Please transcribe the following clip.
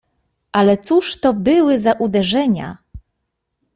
"Ale cóż to były za uderzenia!"